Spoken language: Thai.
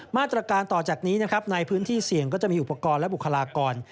มาตรการต่อจากนี้นะครับในพื้นที่เสี่ยงก็จะมีอุปกรณ์และบุคลากร